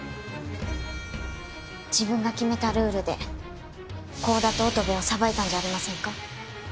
自分が決めたルールで甲田と乙部を裁いたんじゃありませんか？